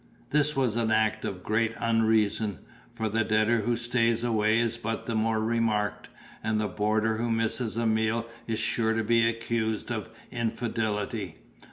This was an act of great unreason; for the debtor who stays away is but the more remarked, and the boarder who misses a meal is sure to be accused of infidelity.